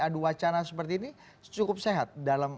adu wacana seperti ini cukup sehat dalam